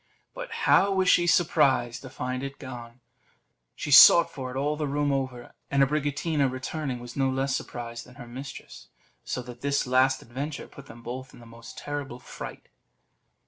But how was she surprised to find it gone! She sought for it all the room over; and Abricotina returning, was no less surprised than her mistress; so that this last adventure put them both in the most terrible fright.